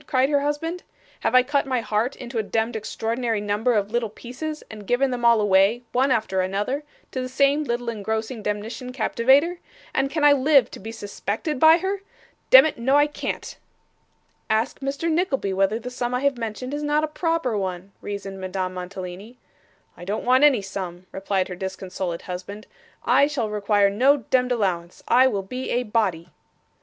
cried her husband. 'Have I cut my heart into a demd extraordinary number of little pieces, and given them all away, one after another, to the same little engrossing demnition captivater, and can I live to be suspected by her? Demmit, no I can't.' 'Ask Mr. Nickleby whether the sum I have mentioned is not a proper one,' reasoned Madame Mantalini. 'I don't want any sum,' replied her disconsolate husband; 'I shall require no demd allowance. I will be a body.